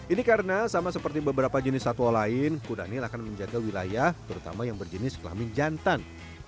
ini karena sama seperti beberapa jenis satwa lain kudanil akan menjaga wilayah terutama yang berjenis kelamin jantan